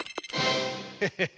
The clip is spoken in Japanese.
ヘヘヘ！